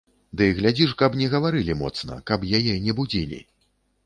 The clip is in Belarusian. Ды глядзі ж, каб не гаварылі моцна, каб яе не будзілі.